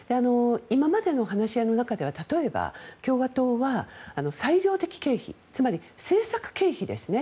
今までの話し合いの中では例えば、共和党は裁量的経費つまり、政策経費ですね。